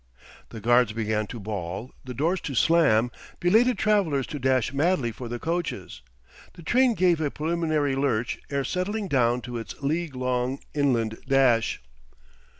The guards began to bawl, the doors to slam, belated travelers to dash madly for the coaches. The train gave a preliminary lurch ere settling down to its league long inland dash.